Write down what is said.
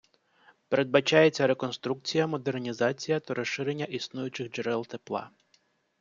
Передбачається реконструкція, модернізація та розширення існуючих джерел тепла.